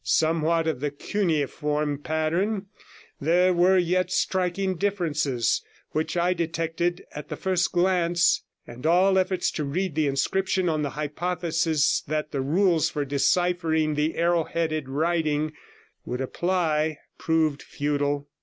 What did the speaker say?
Somewhat of the cuneiform pattern, there were yet striking differences, which I detected at the first glance, and all efforts to read the inscription on the hypothesis that the rules for deciphering the arrow headed writing would apply proved futile.